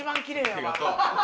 ありがとう。